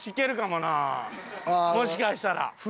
もしかしたら。